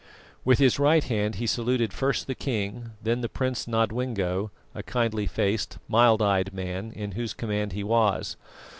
With his right hand he saluted first the king, then the Prince Nodwengo, a kindly faced, mild eyed man, in whose command he was.